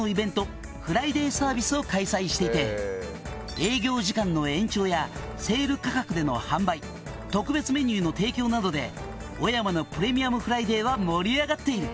「営業時間の延長やセール価格での販売特別メニューの提供などで小山のプレミアムフライデーは盛り上がっている」